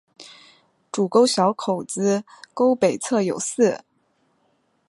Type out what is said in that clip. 主沟小口子沟北侧有寺。